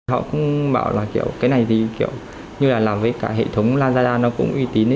họ cũng bảo là kiểu cái này thì kiểu như là làm với cả hệ thống lazada nó cũng uy tín